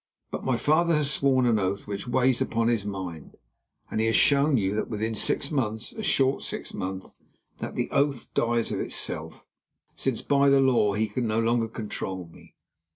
But my father has sworn an oath which weighs upon his mind, and he has shown you that within six months—a short six months—that oath dies of itself, since, by the law, he can no longer control me.